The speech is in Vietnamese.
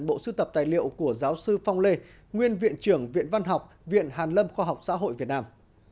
bộ sưu tập tài liệu của giáo sư phong lê nguyên viện trưởng viện văn học viện hàn lâm khoa học xã hội việt nam